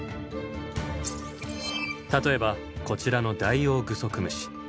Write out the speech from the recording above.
例えばこちらのダイオウグソクムシ。